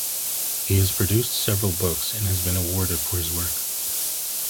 He has produced several books and has been awarded for his work.